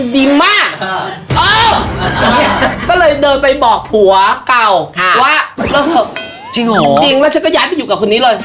ฉันก็เลยชวนเข้าไปบ้าน